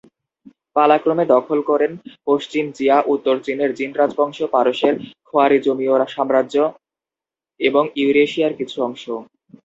পালাক্রমে দখল করেন পশ্চিম জিয়া, উত্তর চীনের জিন রাজবংশ, পারস্যের খোয়ারিজমীয় সম্রাজ্য এবং ইউরেশিয়ার কিছু অংশ।